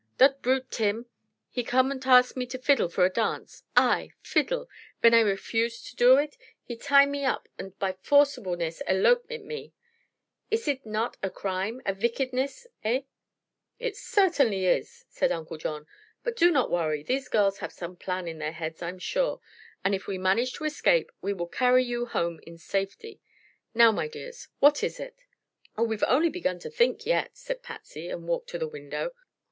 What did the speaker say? Dot brute Tim, he come unt ask me to fiddle for a dance. I fiddle! Ven I refuse me to do it, he tie me up unt by forcibleness elope mit me. Iss id nod a crime a vickedness eh?" "It certainly is, sir," said Uncle John. "But do not worry. These girls have some plan in their heads, I'm sure, and if we manage to escape we will carry you home in safety. Now, my dears, what is it?" "Oh, we've only begun to think yet," said Patsy, and walked to the window.